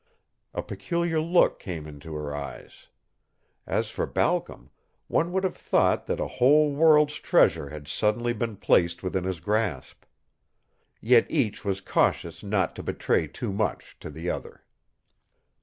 A peculiar look came into her eyes. As for Balcom, one would have thought that a whole world's treasure had suddenly been placed within his grasp. Yet each was cautious not to betray too much to the other.